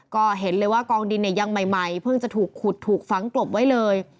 ก็เห็นเลยว่ากองดินเนี่ยยังใหม่เพิ่งจะถูกขุดถูกฝังกลบไว้เลย